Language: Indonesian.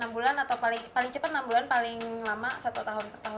enam bulan atau paling cepat enam bulan paling lama satu tahun pertama